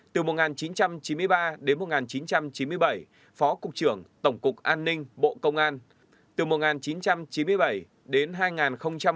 từ một nghìn chín trăm chín mươi tám đến một nghìn chín trăm chín mươi phó trưởng phòng tổng cục an ninh bộ nội vụ nay là bộ công an